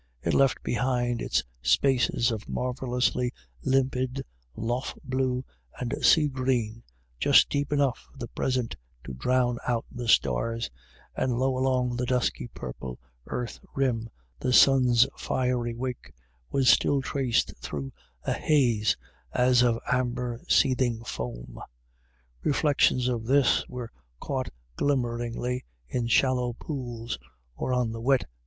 It left behind it spaces of marvel lously limpid lough blue and sea green, just deep enough for the present to drown out the stars ; and low along the dusky purple earth rim the sun's fiery wake was still traced through a haze as of amber seething foam. Reflections of this were caught glimmeringly in shallow pools, or on the wet A WET DAY.